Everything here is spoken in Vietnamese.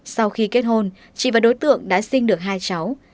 sau khi kết hôn chị và đối tượng đã sinh được hai cháu